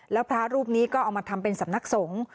แล้วพระรูปนี้ก็เอามาทำเป็นสำนักสงฆ์